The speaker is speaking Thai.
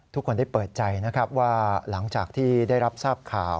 ทุกคนได้เปิดใจนะครับว่าหลังจากที่ได้รับทราบข่าว